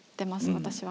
私は。